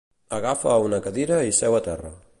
Agafa una cadira i seu a terra.